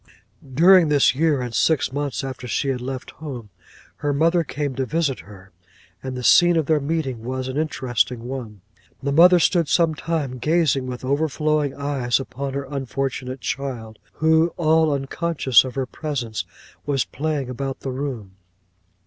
'During this year, and six months after she had left home, her mother came to visit her, and the scene of their meeting was an interesting one. 'The mother stood some time, gazing with overflowing eyes upon her unfortunate child, who, all unconscious of her presence, was playing about the room.